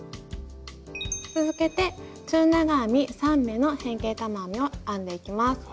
続けて中長編み３目の変形玉編みを編んでいきます。